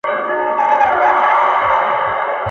زوی یې غوښتی خیر یې نه غوښتی ..